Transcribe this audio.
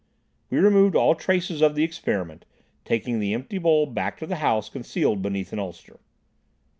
We removed all traces of the experiment, taking the empty bowl back to the house concealed beneath an ulster.